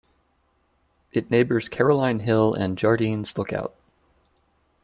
It neighbours Caroline Hill and Jardine's Lookout.